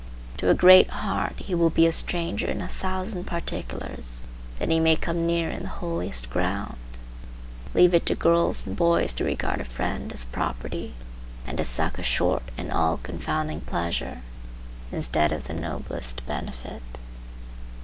To a great heart he will still be a stranger in a thousand particulars, that he may come near in the holiest ground. Leave it to girls and boys to regard a friend as property, and to suck a short and all confounding pleasure, instead of the noblest benefit.